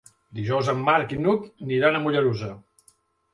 Dijous en Marc i n'Hug iran a Mollerussa.